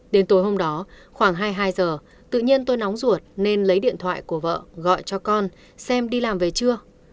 đến tối hôm đó khoảng hai mươi hai giờ tự nhiên tôi nóng ruột nên lấy điện thoại của vợ gọi cho con xem đi làm về trưa